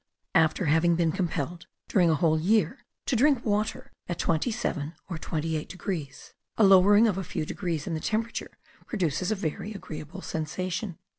After having been compelled during a whole year to drink water at 27 or 28 degrees, a lowering of a few degrees in the temperature produces a very agreeable sensation.